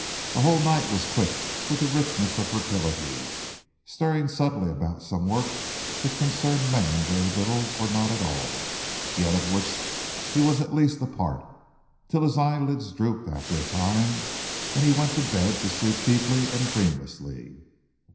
The whole night was quick with the richness of fertility, stirring subtly about some work which concerned man very little or not at all, yet of which he was at least a part, till his eyelids drooped after a time and he went to bed to sleep deeply and dreamlessly.